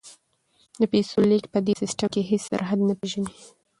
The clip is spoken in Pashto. د پیسو لیږد په دې سیستم کې هیڅ سرحد نه پیژني.